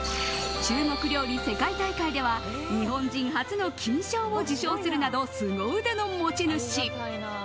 中国料理世界大会では日本人初の金賞を受賞するなどすご腕の持ち主。